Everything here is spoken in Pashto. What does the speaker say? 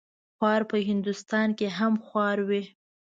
خوار په هندوستان هم خوار وي.